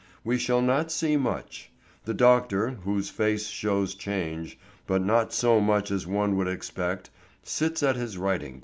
We shall not see much. The doctor, whose face shows change, but not so much as one would expect, sits at his table writing.